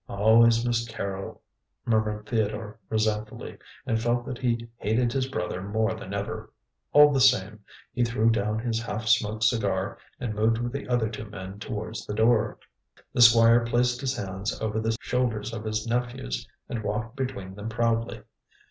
"Always Miss Carrol," murmured Theodore resentfully, and felt that he hated his brother more than ever. All the same, he threw down his half smoked cigar and moved with the other two men towards the door. The Squire placed his hands over the shoulders of his nephews and walked between them proudly.